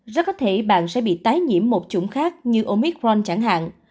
rất có thể bạn sẽ bị tái nhiễm một chủng khác như omicron chẳng hạn